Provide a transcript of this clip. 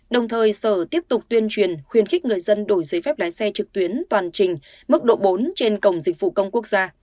đồng thời sở tiếp tục tuyên truyền khuyến khích người dân đổi giấy phép lái xe trực tuyến toàn trình mức độ bốn trên cổng dịch vụ công quốc gia